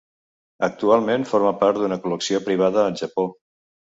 Actualment forma part d'una col·lecció privada al Japó.